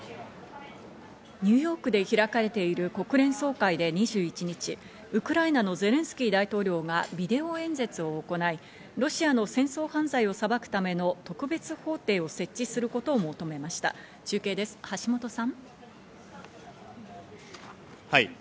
ニューヨークで開かれている国連総会で２１日、ウクライナのゼレンスキー大統領がビデオ演説を行い、ロシアの戦争犯罪を裁くための特別法廷を設置することを求めましはい。